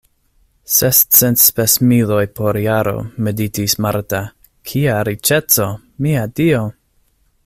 Sescent spesmiloj por jaro, meditis Marta, kia riĉeco, mia Dio!